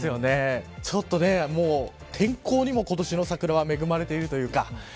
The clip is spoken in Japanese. ちょっと天候にも今年の桜は恵まれているというか。